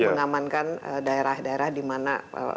mengamankan daerah daerah di mana